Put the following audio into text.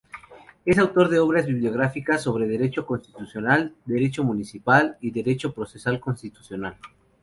Es autor de obras bibliográficas sobre Derecho Constitucional, Derecho Municipal, y Derecho Procesal Constitucional.